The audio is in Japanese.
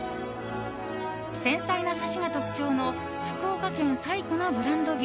繊細なサシが特徴の福岡県最古のブランド牛